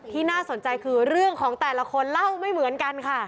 น่าสนใจคือเรื่องของแต่ละคนเล่าไม่เหมือนกันค่ะ